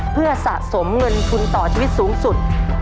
เพื่อสะสมเงินทุนต่อชีวิตสูงสุด